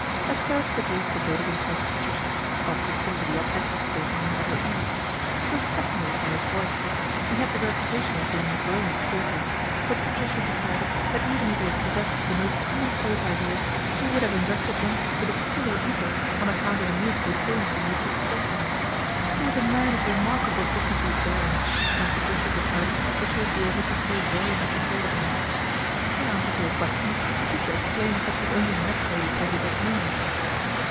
At first the Duke devoted himself to Patricia, bviously with the object of placing her at her ase. She was fascinated by his voice. He had :ie reputation of being a brilliant talker ; but 'atricia decided that even if he had possessed the lost commonplace ideas, he would have invested iem with a peculiar interest on account of the msical tones in which he expressed them. He r as a man of remarkable dignity of bearing, and 'atricia decided that she would be able to feel very mch a* r 3'<i of him. 254 PATRICIA BRENT, SPINSTER In answer to a question Patricia explained thai she had only met Lady Peggy that morning.